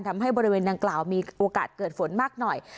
ทำให้บริเวณดังกล่าวมีโอกาสเกิดฝนมากหน่อย